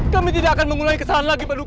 kami tidak akan mengulangi kesalahan lagi paduka